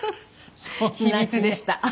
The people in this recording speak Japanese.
秘密でした。